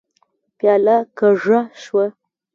پياله کږه شوه.